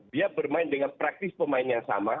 dia bermain dengan praktis pemain yang sama